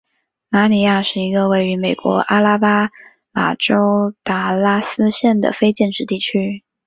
马尼拉是一个位于美国阿拉巴马州达拉斯县的非建制地区。